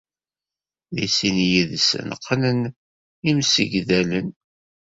Deg sin yid-sen qqnen imsegdalen?